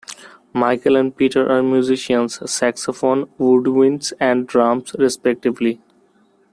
Michael and Peter are musicians - saxophone-woodwinds and drums, respectively.